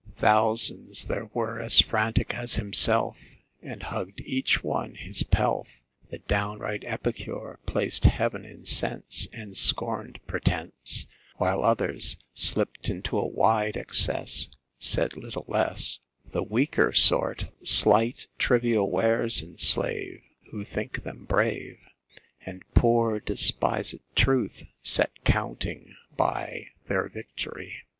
Thousands there were as frantic as himself And hugg'd each one his pelf, The downright epicure plac'd heav'n in sense And scorn'd pretnece While others slipt into a wide excess Said little less; The weaker sort slight, trivial wares enslave Who think them brave, And poor, despised Truth sat counting by Their victory.